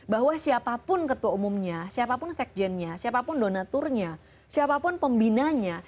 bahwa siapapun ketua umumnya siapapun sekjennya siapapun donaturnya siapapun pembinanya